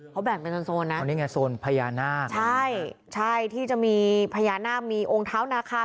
เขาแบ่งเป็นโซนนะอันนี้ไงโซนพญานาคใช่ใช่ที่จะมีพญานาคมีองค์เท้านาคา